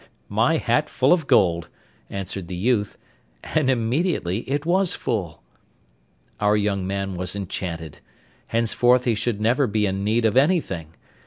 'My hat full of gold,' answered the youth, and immediately it was full. Our young man was enchanted. Henceforth he should never be in need of anything.